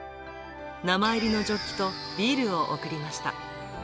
名前入りのジョッキとビールを贈りました。